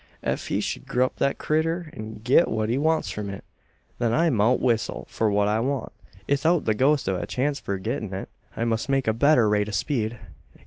Ef he shed grup thet critter, an git what he wants from it, then I mout whissel for what I want, 'ithout the ghost o' a chance for gettin' it. "I must make a better rate o' speed.